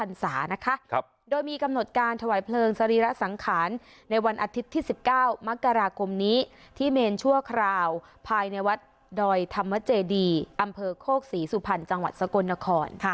สรีระสังขารในวันอาทิตย์ที่๑๙มกราคมนี้ที่เมนชั่วคราวภายในวัดดอยธรรมเจดีอำเภอโคกศรีสุพรรณจังหวัดสกลนคร